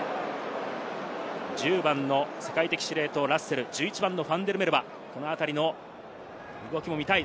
１０番の世界的司令塔・ラッセル、１１番のファンデルメルヴァ、このあたりの動きも見たい。